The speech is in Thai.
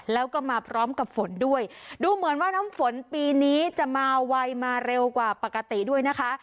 แล้วก็มาพร้อมกับฝนด้วยดูเหมือนว่าน้ำฝนปีนี้จะมาไวมาเร็วกว่าปกติด้วยนะคะ